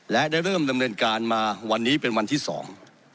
และได้เริ่มดำเนินการมาวันนี้เป็นวันที่สอง